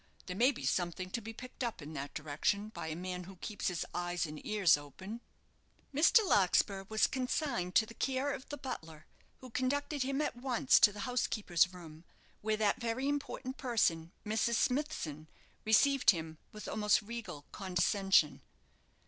There may be something to be picked up in that direction by a man who keeps his eyes and ears open." Mr. Larkspur was consigned to the care of the butler, who conducted him at once to the housekeeper's room, where that very important person, Mrs. Smithson, received him with almost regal condescension.